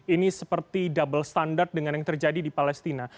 ini seperti double standard dengan yang terjadi di palestina